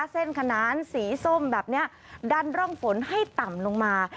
ขนานสีส้มแบบนี้ดันร่องฝนให้ต่ำลงมา